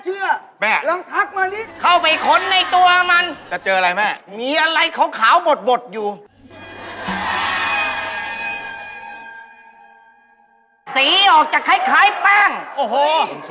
เห็นไหมเงียบไปเลยโอ้เตรียมในลายโค้กชุมรส